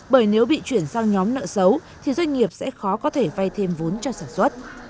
bởi nếu bị chuyển sang nhóm nợ xấu thì doanh nghiệp sẽ khó có thể vay thêm vốn cho sản xuất